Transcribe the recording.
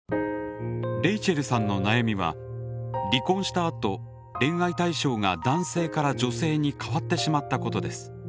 レイチェルさんの悩みは「離婚したあと恋愛対象が男性から女性に変わってしまったこと」です。